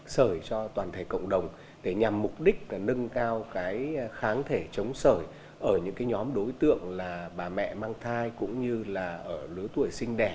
sởi cho toàn thể cộng đồng để nhằm mục đích nâng cao kháng thể chống sởi ở những nhóm đối tượng là bà mẹ mang thai cũng như là ở lứa tuổi sinh đẻ